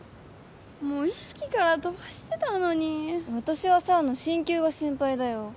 もう意識から飛ばしてたのに私は紗羽の進級が心配だよ